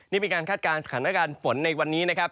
นี่เป็นการคาดการณ์สถานการณ์ฝนในวันนี้นะครับ